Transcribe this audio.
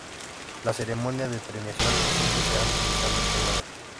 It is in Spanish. La ceremonia de premiación siempre se han realizado en Londres.